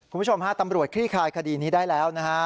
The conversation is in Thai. คุณผู้ชมฮะตำรวจคลี่คลายคดีนี้ได้แล้วนะฮะ